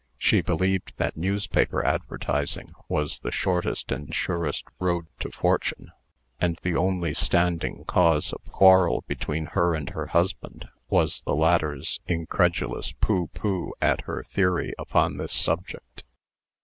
She believed that newspaper advertising was the shortest and surest road to fortune; and the only standing cause of quarrel between her and her husband was the latter's incredulous "Pooh! pooh!" at her theory upon this subject.